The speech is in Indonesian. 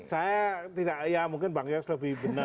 saya tidak ya mungkin bang yos lebih benar